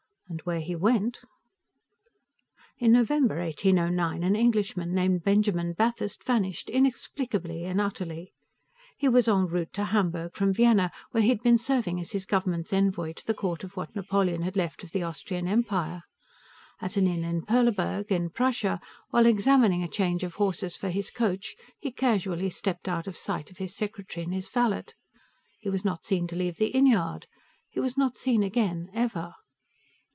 And where he went _ In November 1809, an Englishman named Benjamin Bathurst vanished, inexplicably and utterly. _He was en route to Hamburg from Vienna, where he had been serving as his government's envoy to the court of what Napoleon had left of the Austrian Empire. At an inn in Perleburg, in Prussia, while examining a change of horses for his coach, he casually stepped out of sight of his secretary and his valet. He was not seen to leave the inn yard. He was not seen again, ever.